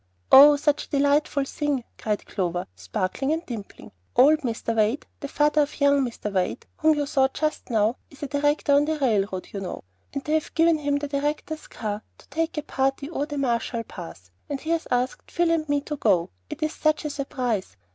"Oh, such a delightful thing," cried Clover, sparkling and dimpling. "Old Mr. Wade, the father of young Mr. Wade, whom you saw just now, is a director on the railroad, you know; and they have given him the director's car to take a party over the Marshall Pass, and he has asked Phil and me to go. It is such a surprise.